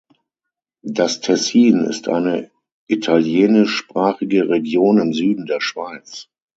Das Tessin ist eine italienischsprachige Region im Süden der Schweiz.